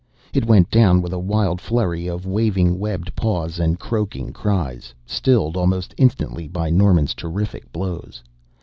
It went down with a wild flurry of waving webbed paws and croaking cries, stilled almost instantly by Norman's terrific blows.